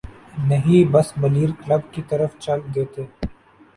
نہیں بس ملیر کلب کی طرف چل دیتے۔